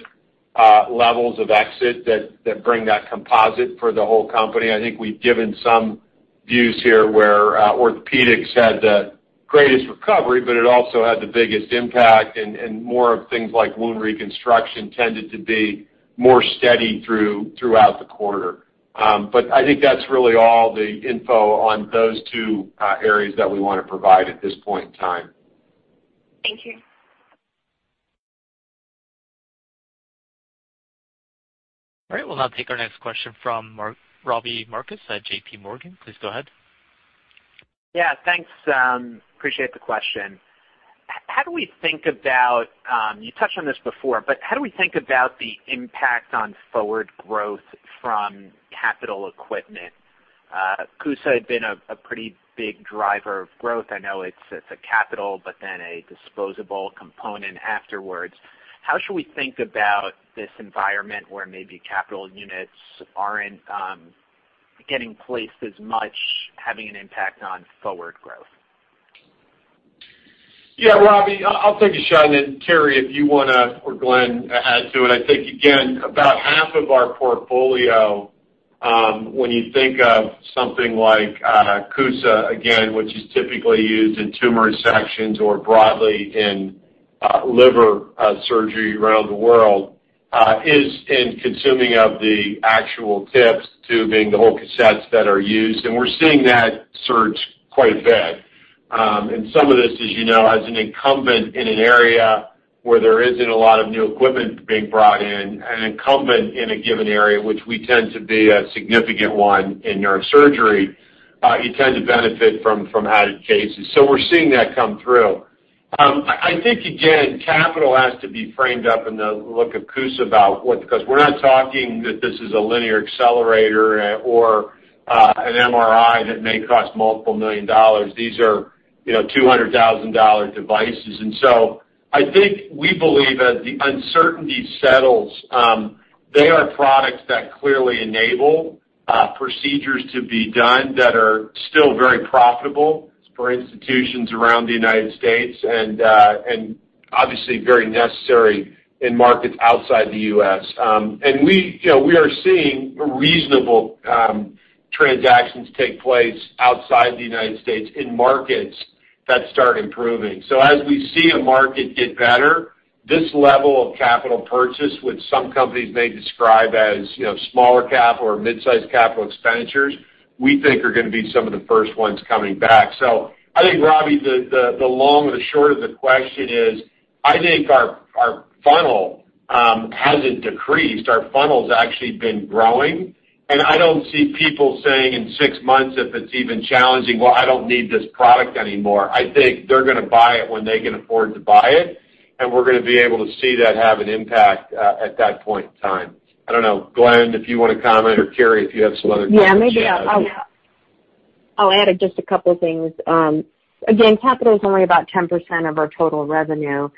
levels of exit that bring that composite for the whole company. I think we've given some views here where Orthopedics had the greatest recovery, but it also had the biggest impact, and more of things like wound reconstruction tended to be more steady throughout the quarter. I think that's really all the info on those two areas that we want to provide at this point in time. Thank you. All right, we'll now take our next question from Robbie Marcus at JPMorgan. Please go ahead. Yeah, thanks. Appreciate the question. You touched on this before, but how do we think about the impact on forward growth from capital equipment? CUSA had been a pretty big driver of growth. I know it's a capital, but then a disposable component afterwards. How should we think about this environment where maybe capital units aren't getting placed as much, having an impact on forward growth? Yeah, Robbie, I'll take a shot, and then Carrie, if you want to, or Glenn add to it. I think, again, about half of our portfolio, when you think of something like CUSA, again, which is typically used in tumor resections or broadly in liver surgery around the world, is in consuming of the actual tips, tubing, the whole cassettes that are used. We're seeing that surge quite a bit. Some of this, as you know, as an incumbent in an area where there isn't a lot of new equipment being brought in, an incumbent in a given area, which we tend to be a significant one in neurosurgery, you tend to benefit from added cases. We're seeing that come through. I think, again, capital has to be framed up in the look of CUSA, because we're not talking that this is a linear accelerator or an MRI that may cost multiple million dollars. These are $200,000 devices. I think we believe as the uncertainty settles, they are products that clearly enable procedures to be done that are still very profitable for institutions around the U.S. and obviously very necessary in markets outside the U.S. We are seeing reasonable transactions take place outside the U.S. in markets that start improving. As we see a market get better, this level of capital purchase, which some companies may describe as smaller cap or mid-size capital expenditures, we think are going to be some of the first ones coming back. I think, Robbie, the long or the short of the question is, I think our funnel hasn't decreased. Our funnel's actually been growing, and I don't see people saying in six months if it's even challenging, "Well, I don't need this product anymore." I think they're going to buy it when they can afford to buy it, and we're going to be able to see that have an impact at that point in time. I don't know, Glenn, if you want to comment or Carrie, if you have some other comments to add. Yeah, maybe I'll add just a couple of things. Capital is only about 10% of our total revenue.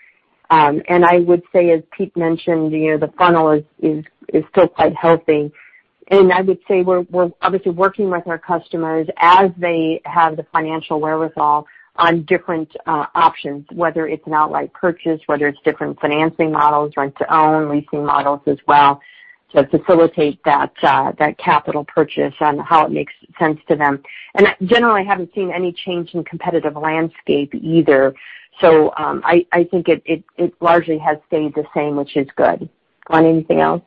I would say, as Pete mentioned, the funnel is still quite healthy. I would say we're obviously working with our customers as they have the financial wherewithal on different options, whether it's an outright purchase, whether it's different financing models, rent-to-own, leasing models as well, to facilitate that capital purchase on how it makes sense to them. Generally, I haven't seen any change in competitive landscape either. I think it largely has stayed the same, which is good. Glenn, anything else?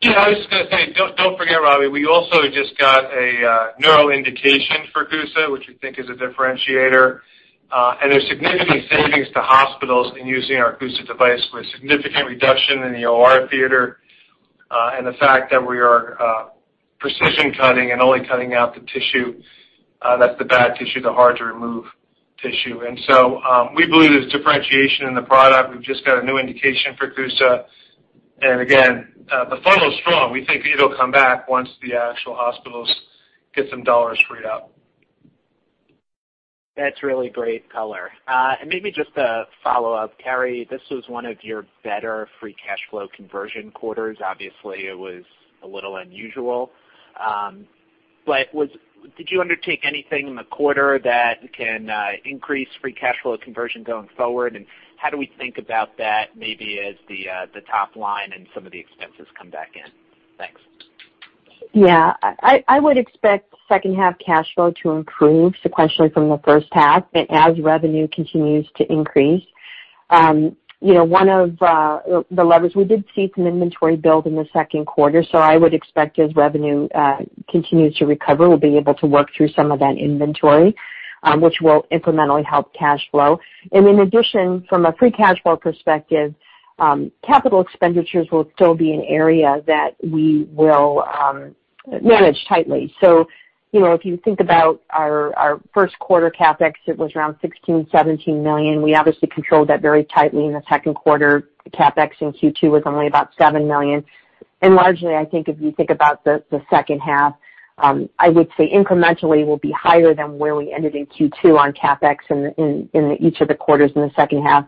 Yeah, I was just going to say, don't forget, Robbie, we also just got a neuro indication for CUSA, which we think is a differentiator. There's significant savings to hospitals in using our CUSA device with significant reduction in the OR theater. The fact that we are precision cutting and only cutting out the tissue, that's the bad tissue, the hard to remove tissue. We believe there's differentiation in the product. We've just got a new indication for CUSA. Again, the funnel's strong. We think it'll come back once the actual hospitals get some dollars freed up. That's really great color. Maybe just a follow-up, Carrie, this was one of your better free cash flow conversion quarters. Obviously, it was a little unusual. Did you undertake anything in the quarter that can increase free cash flow conversion going forward? How do we think about that, maybe as the top line and some of the expenses come back in? Thanks. I would expect second half cash flow to improve sequentially from the first half, as revenue continues to increase. One of the levers, we did see some inventory build in the second quarter. I would expect as revenue continues to recover, we'll be able to work through some of that inventory, which will incrementally help cash flow. In addition, from a free cash flow perspective, capital expenditures will still be an area that we will manage tightly. If you think about our first quarter CapEx, it was around $16 million, $17 million. We obviously controlled that very tightly in the second quarter. The CapEx in Q2 was only about $7 million. Largely, I think if you think about the second half, I would say incrementally will be higher than where we ended in Q2 on CapEx in each of the quarters in the second half,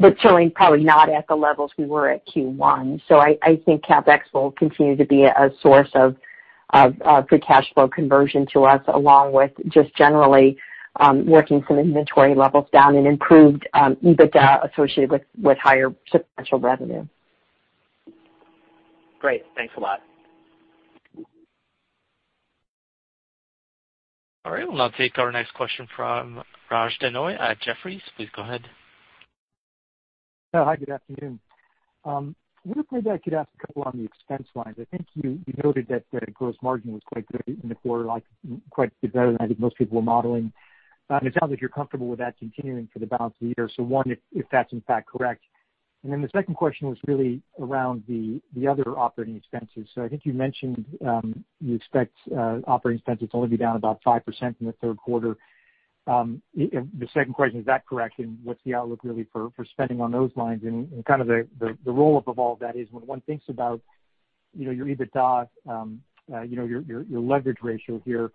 but certainly probably not at the levels we were at Q1. I think CapEx will continue to be a source of free cash flow conversion to us, along with just generally working some inventory levels down and improved EBITDA associated with higher sequential revenue. Great. Thanks a lot. All right, we'll now take our next question from Raj Denhoy at Jefferies. Please go ahead. Hi, good afternoon. Wondered maybe I could ask a couple on the expense lines. I think you noted that the gross margin was quite good in the quarter, quite a bit better than I think most people were modeling. It sounds like you're comfortable with that continuing for the balance of the year. One, if that's in fact correct. The second question was really around the other operating expenses. I think you mentioned, you expect operating expenses to only be down about 5% in the third quarter. The second question, is that correct? What's the outlook really for spending on those lines? The roll-up of all that is when one thinks about your EBITDA, your leverage ratio here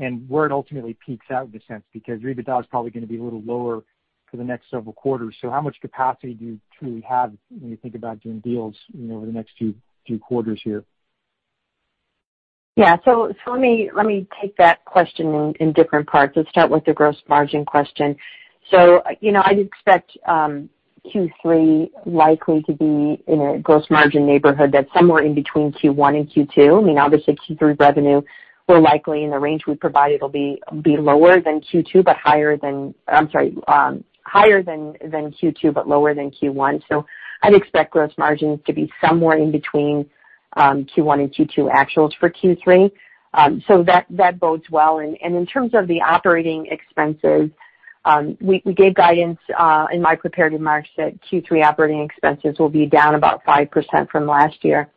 and where it ultimately peaks out in a sense, because your EBITDA is probably going to be a little lower for the next several quarters. How much capacity do you truly have when you think about doing deals over the next few quarters here? Yeah. Let me take that question in different parts. Let's start with the gross margin question. I'd expect Q3 likely to be in a gross margin neighborhood that's somewhere in between Q1 and Q2. Obviously Q3 revenue, where likely in the range we provide, it'll be lower than Q2, but higher than Q2 but lower than Q1. I'd expect gross margins to be somewhere in between Q1 and Q2 actuals for Q3. That bodes well. In terms of the operating expenses, we gave guidance in my prepared remarks that Q3 operating expenses will be down about 5% from last year.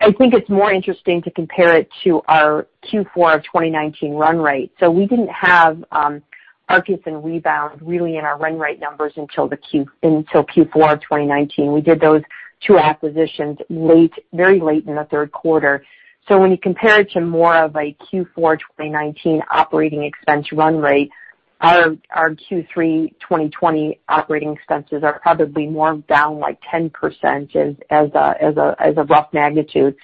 I think it's more interesting to compare it to our Q4 of 2019 run rate. We didn't have Arkis and Rebound really in our run rate numbers until Q4 of 2019. We did those two acquisitions very late in the third quarter. When you compare it to more of a Q4 2019 operating expense run rate, our Q3 2020 operating expenses are probably more down like 10% as a rough magnitude.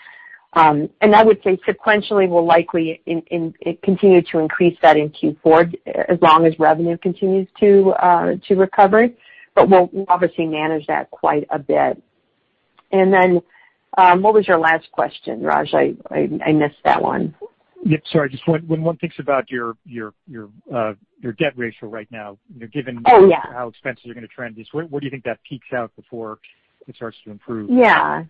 We'll likely continue to increase that in Q4 as long as revenue continues to recover. We'll obviously manage that quite a bit. Then, what was your last question, Raj? I missed that one. Yep, sorry. Just when one thinks about your debt ratio right now. Oh, yeah. How expenses are going to trend, just where do you think that peaks out before it starts to improve?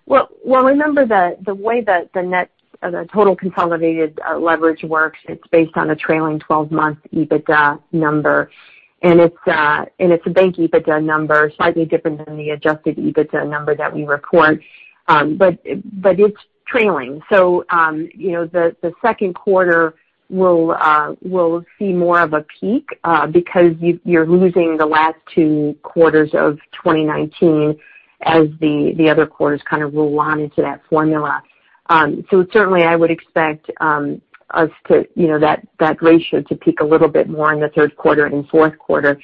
Well, remember the way that the total consolidated leverage works, it's based on a trailing 12-month EBITDA number. It's a bank EBITDA number, slightly different than the adjusted EBITDA number that we report. It's trailing. The second quarter will see more of a peak because you're losing the last two quarters of 2019 as the other quarters kind of roll on into that formula. Certainly, I would expect that ratio to peak a little bit more in the third quarter and fourth quarter.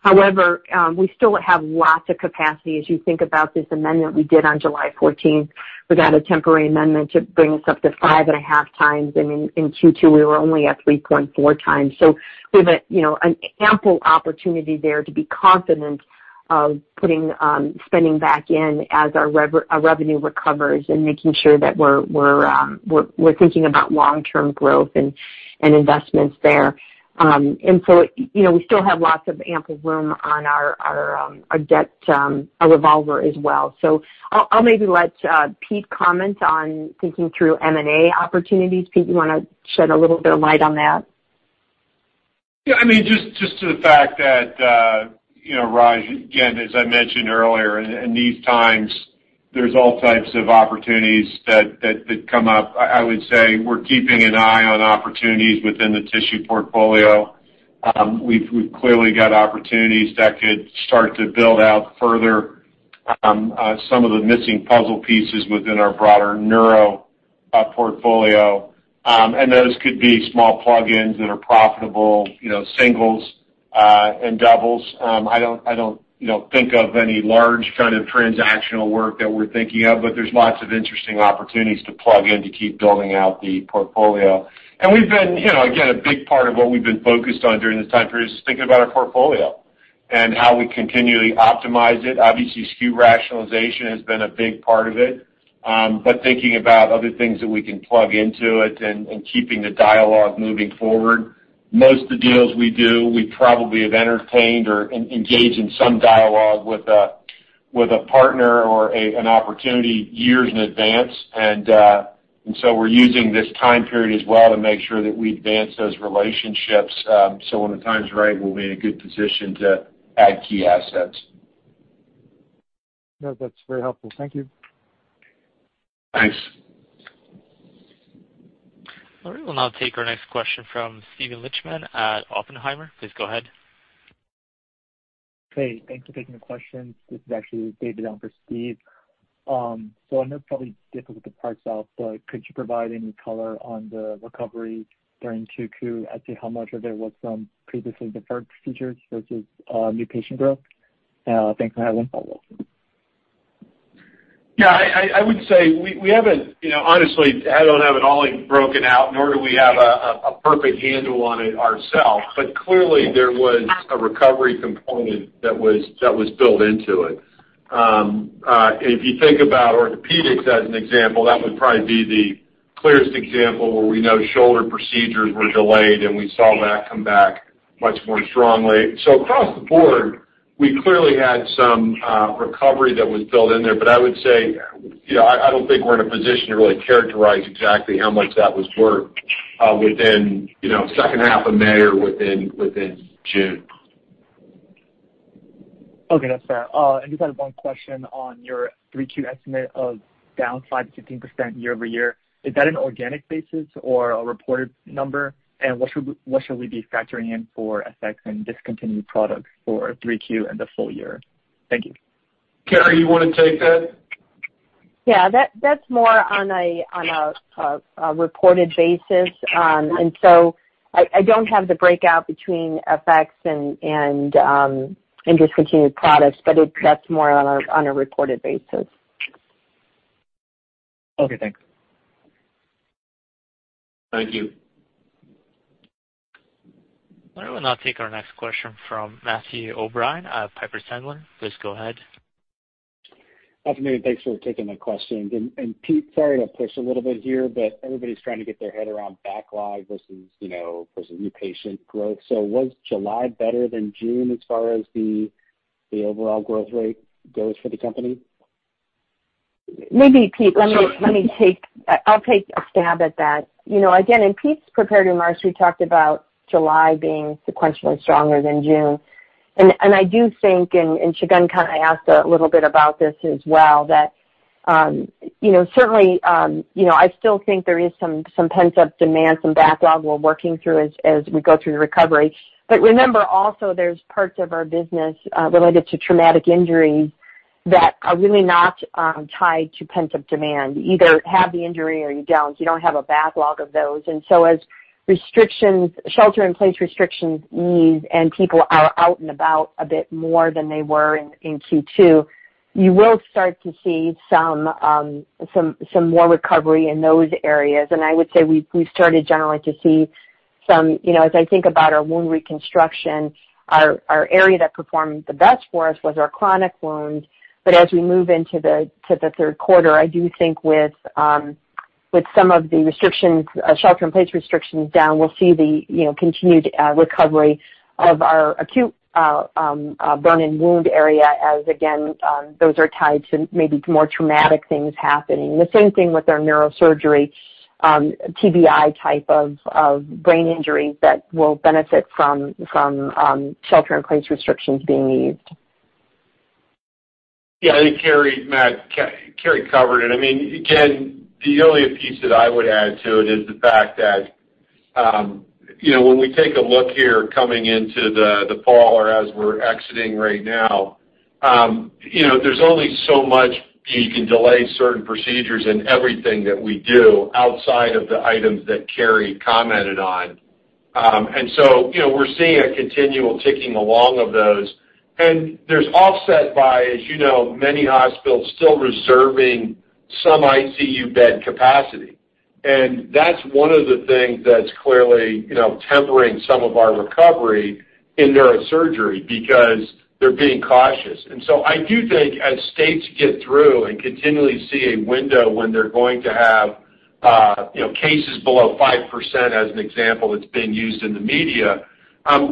However, we still have lots of capacity. As you think about this amendment we did on July 14th, 2020. We got a temporary amendment to bring us up to 5.5x. In Q2, we were only at 3.4x. We have an ample opportunity there to be confident of putting spending back in as our revenue recovers and making sure that we're thinking about long-term growth and investments there. We still have lots of ample room on our debt, our revolver as well. I'll maybe let Pete comment on thinking through M&A opportunities. Pete, you want to shed a little bit of light on that? Yeah, just to the fact that, Raj, again, as I mentioned earlier, in these times, there's all types of opportunities that come up. I would say we're keeping an eye on opportunities within the tissue portfolio. We've clearly got opportunities that could start to build out further some of the missing puzzle pieces within our broader neuro portfolio. Those could be small plug-ins that are profitable, singles and doubles. I don't think of any large kind of transactional work that we're thinking of, but there's lots of interesting opportunities to plug in to keep building out the portfolio. Again, a big part of what we've been focused on during this time period is thinking about our portfolio and how we continually optimize it. Obviously, SKU rationalization has been a big part of it, but thinking about other things that we can plug into it and keeping the dialogue moving forward. Most of the deals we do, we probably have entertained or engaged in some dialogue with a partner or an opportunity years in advance. We're using this time period as well to make sure that we advance those relationships, so when the time's right, we'll be in a good position to add key assets. Yeah, that's very helpful. Thank you. Thanks. All right, we'll now take our next question from Steven Lichtman at Oppenheimer. Please go ahead. Hey, thank you for taking the questions. This is actually David on for Steve. I know it's probably difficult to parse out, but could you provide any color on the recovery during 2Q as to how much of it was from previously deferred procedures versus new patient growth? Thanks for having me. I would say honestly, I don't have it all broken out, nor do we have a perfect handle on it ourselves. Clearly, there was a recovery component that was built into it. If you think about orthopedics as an example, that would probably be the clearest example where we know shoulder procedures were delayed, and we saw that come back much more strongly. Across the board, we clearly had some recovery that was built in there. I would say, I don't think we're in a position to really characterize exactly how much that was worth within second half of May or within June. Okay, that's fair. I just had one question on your 3Q estimate of down 5%-15% year-over-year. Is that an organic basis or a reported number? What should we be factoring in for FX and discontinued products for 3Q and the full year? Thank you. Carrie, you want to take that? Yeah. That's more on a reported basis. I don't have the breakout between FX and discontinued products, but that's more on a reported basis. Okay, thanks. Thank you. All right. We'll now take our next question from Matthew O'Brien at Piper Sandler. Please go ahead. Afternoon, thanks for taking my questions. Pete, sorry to push a little bit here, but everybody's trying to get their head around backlog versus new patient growth. Was July better than June as far as the overall growth rate goes for the company? Maybe, Pete, I'll take a stab at that. Again, in Pete's prepared remarks, we talked about July being sequentially stronger than June. I do think, and Shagun kind of asked a little bit about this as well, that certainly, I still think there is some pent-up demand, some backlog we're working through as we go through the recovery. Remember also, there's parts of our business related to traumatic injuries that are really not tied to pent-up demand. You either have the injury or you don't. You don't have a backlog of those. As shelter-in-place restrictions ease and people are out and about a bit more than they were in Q2, you will start to see some more recovery in those areas. I would say we've started generally to see some, as I think about our wound reconstruction, our area that performed the best for us was our chronic wounds. As we move into the third quarter, I do think with some of the shelter-in-place restrictions down, we'll see the continued recovery of our acute burn and wound area as, again, those are tied to maybe more traumatic things happening. The same thing with our neurosurgery, TBI type of brain injuries that will benefit from shelter-in-place restrictions being eased. Yeah, I think, Matt, Carrie covered it. The only piece that I would add to it is the fact that when we take a look here coming into the fall or as we're exiting right now, there's only so much you can delay certain procedures in everything that we do outside of the items that Carrie commented on. We're seeing a continual ticking along of those. There's offset by, as you know, many hospitals still reserving some ICU bed capacity. That's one of the things that's clearly tempering some of our recovery in neurosurgery because they're being cautious. I do think as states get through and continually see a window when they're going to have cases below 5%, as an example that's been used in the media,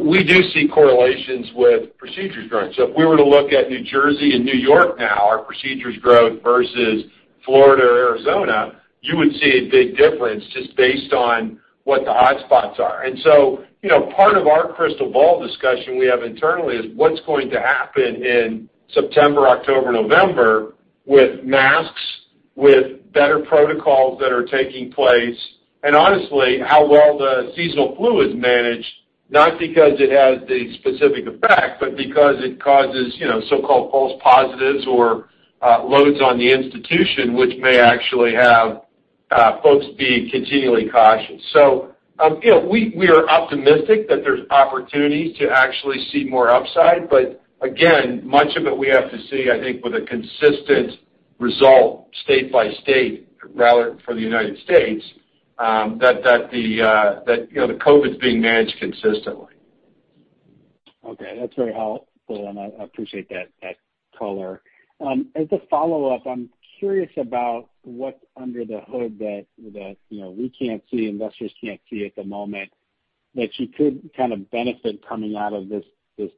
we do see correlations with procedures growing. If we were to look at New Jersey and New York now, our procedures growth versus Florida or Arizona, you would see a big difference just based on what the hotspots are. Part of our crystal ball discussion we have internally is what's going to happen in September, October, November with masks, with better protocols that are taking place, and honestly, how well the seasonal flu is managed, not because it has the specific effect, but because it causes so-called false positives or loads on the institution, which may actually have folks be continually cautious. We are optimistic that there's opportunity to actually see more upside. Again, much of it we have to see, I think, with a consistent result state by state, rather for the United States, that the COVID's being managed consistently. Okay. That's very helpful, and I appreciate that color. As a follow-up, I'm curious about what's under the hood that we can't see, investors can't see at the moment that you could kind of benefit coming out of this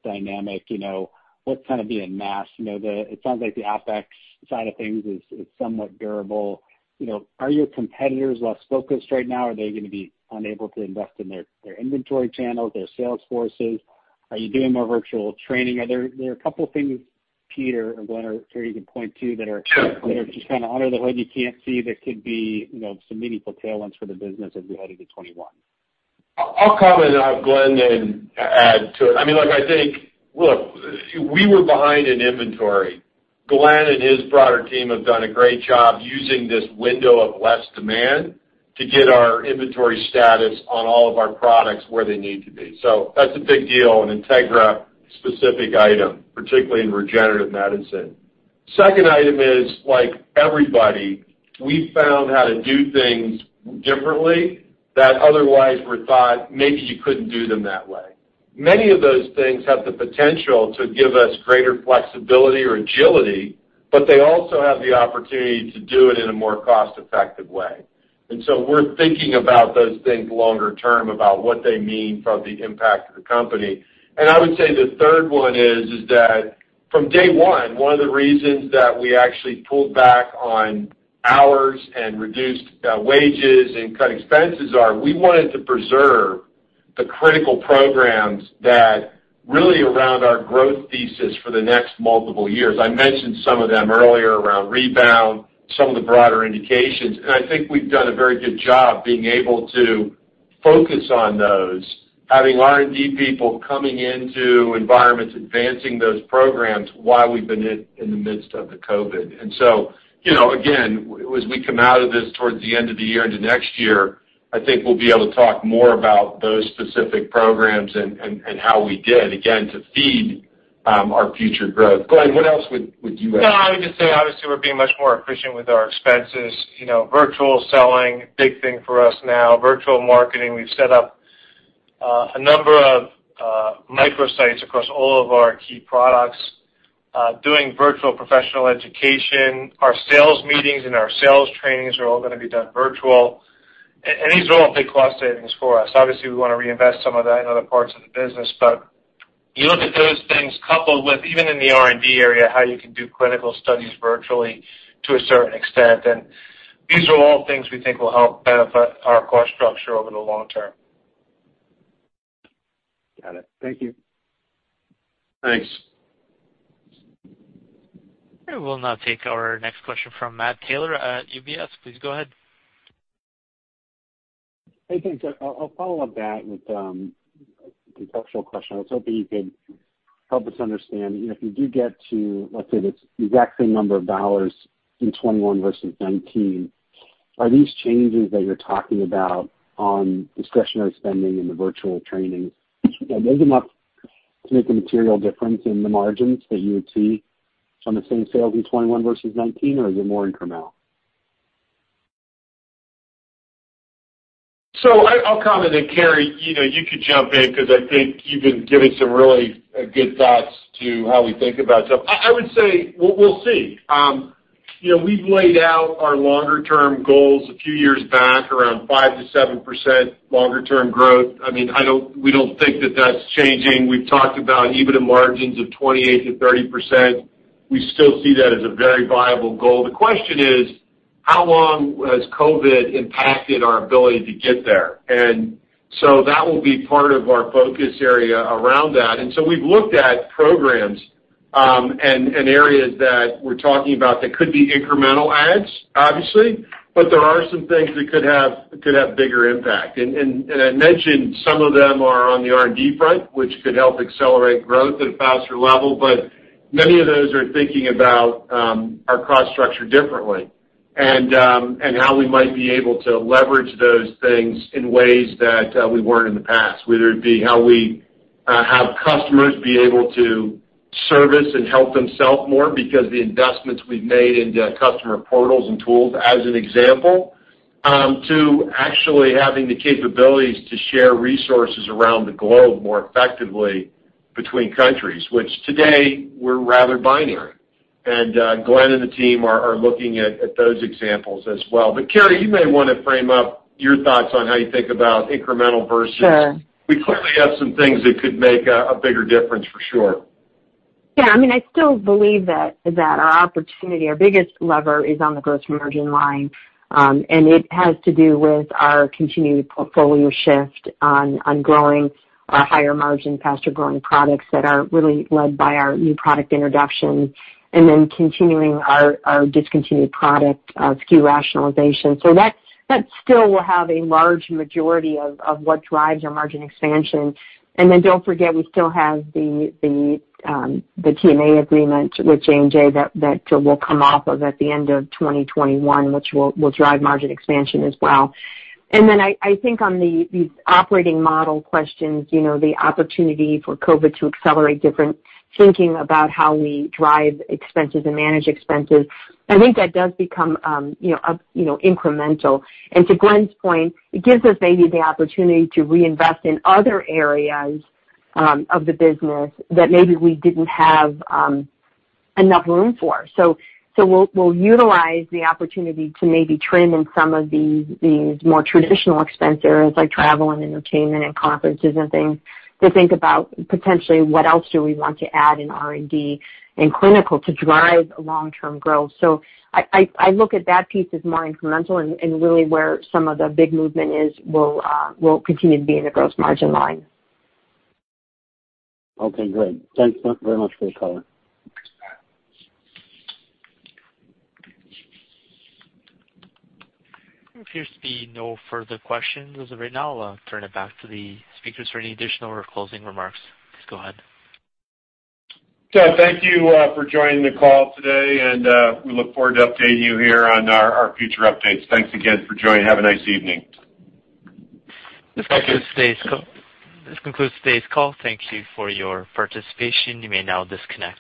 dynamic. What's kind of being masked? It sounds like the OpEx side of things is somewhat durable. Are your competitors less focused right now? Are they going to be unable to invest in their inventory channels, their sales forces? Are you doing more virtual training? Are there a couple of things, Peter or Glenn, or Carrie, you can point to? That are just kind of under the hood you can't see that could be some meaningful tailwinds for the business as we head into 2021? I'll comment and have Glenn then add to it. Look, we were behind in inventory. Glenn and his broader team have done a great job using this window of less demand to get our inventory status on all of our products where they need to be. That's a big deal, an Integra-specific item, particularly in regenerative medicine. Second item is, like everybody, we found how to do things differently that otherwise were thought maybe you couldn't do them that way. Many of those things have the potential to give us greater flexibility or agility, but they also have the opportunity to do it in a more cost-effective way. We're thinking about those things longer term, about what they mean from the impact of the company. I would say the third one is that from day one of the reasons that we actually pulled back on hours and reduced wages and cut expenses are we wanted to preserve the critical programs that really around our growth thesis for the next multiple years. I mentioned some of them earlier around Rebound, some of the broader indications, and I think we've done a very good job being able to focus on those, having R&D people coming into environments, advancing those programs while we've been in the midst of the COVID-19. Again, as we come out of this towards the end of the year into next year, I think we'll be able to talk more about those specific programs and how we did, again, to feed our future growth. Glenn, what else would you add? I would just say, obviously, we're being much more efficient with our expenses. Virtual selling, big thing for us now. Virtual marketing. We've set up a number of microsites across all of our key products, doing virtual professional education. Our sales meetings and our sales trainings are all going to be done virtual. These are all big cost savings for us. Obviously, we want to reinvest some of that in other parts of the business. You look at those things coupled with, even in the R&D area, how you can do clinical studies virtually to a certain extent, and these are all things we think will help benefit our cost structure over the long term. Got it. Thank you. Thanks. We will now take our next question from Matt Taylor at UBS. Please go ahead. Hey, thanks. I'll follow up that with a conceptual question. I was hoping you could help us understand, if you do get to, let's say, the exact same number of dollars in 2021 versus 2019, are these changes that you're talking about on discretionary spending and the virtual training, are those enough to make a material difference in the margins that you would see on the same sales in 2021 versus 2019, or is it more incremental? I'll comment, and Carrie, you could jump in because I think you've been giving some really good thoughts to how we think about stuff. I would say, we'll see. We've laid out our longer-term goals a few years back, around 5%-7% longer-term growth. We don't think that that's changing. We've talked about EBITDA margins of 28%-30%. We still see that as a very viable goal. The question is: how long has COVID impacted our ability to get there? That will be part of our focus area around that. We've looked at programs and areas that we're talking about that could be incremental adds, obviously. But there are some things that could have bigger impact. I mentioned some of them are on the R&D front, which could help accelerate growth at a faster level. Many of those are thinking about our cost structure differently and how we might be able to leverage those things in ways that we weren't in the past, whether it be how we have customers be able to service and help themselves more because the investments we've made into customer portals and tools, as an example, to actually having the capabilities to share resources around the globe more effectively between countries, which today we're rather binary. Glenn and the team are looking at those examples as well. Carrie, you may want to frame up your thoughts on how you think about incremental versus we clearly have some things that could make a bigger difference for sure. Yeah, I still believe that our opportunity, our biggest lever, is on the gross margin line. It has to do with our continued portfolio shift on growing our higher margin, faster-growing products that are really led by our new product introduction, and then continuing our discontinued product SKU rationalization. That still will have a large majority of what drives our margin expansion. Don't forget, we still have the TMA agreement with J&J that will come off of at the end of 2021, which will drive margin expansion as well. I think on the operating model questions, the opportunity for COVID to accelerate different thinking about how we drive expenses and manage expenses, I think that does become incremental. To Glenn's point, it gives us maybe the opportunity to reinvest in other areas of the business that maybe we didn't have enough room for. We'll utilize the opportunity to maybe trim in some of these more traditional expense areas, like travel and entertainment and conferences and things, to think about potentially what else do we want to add in R&D and clinical to drive long-term growth. I look at that piece as more incremental and really where some of the big movement is will continue to be in the gross margin line. Okay, great. Thanks very much for the call. There appears to be no further questions as of right now. I'll turn it back to the speakers for any additional or closing remarks. Please go ahead. Thank you for joining the call today, and we look forward to updating you here on our future updates. Thanks again for joining. Have a nice evening. This concludes today's call. Thank you for your participation. You may now disconnect.